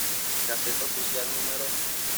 Gaceta Oficial No.